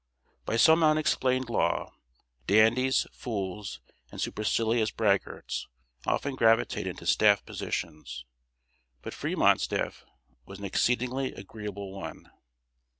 By some unexplained law, dandies, fools, and supercilious braggarts often gravitate into staff positions; but Fremont's staff was an exceedingly agreeable one.